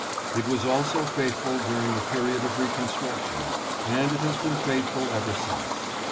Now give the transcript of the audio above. It was also faithful during the period of reconstruction, and it has been faithful ever since.